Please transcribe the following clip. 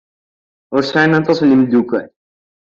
Ur sɛin aṭas n yimeddukal.